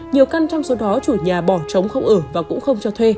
nhiều căn trong số đó chủ nhà bỏ trống không ở và cũng không cho thuê